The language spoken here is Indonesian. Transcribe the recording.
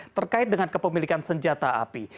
terkait dengan kepemilikan senjata api